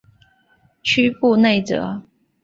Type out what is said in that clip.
屈布内泽。